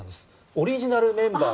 オリジナルメンバー